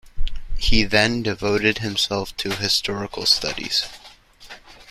He then devoted himself to historical studies.